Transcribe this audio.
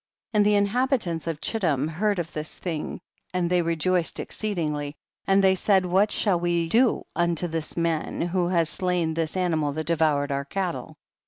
16. And the inhabitants of Chittim heard of this thing, and they rejoiced exceedingly, and they said, what shall we do unto this man who has slain this animal that devoured our cattle